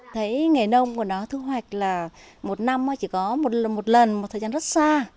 thấy nghề nông của nó thu hoạch là một năm chỉ có một lần một thời gian rất xa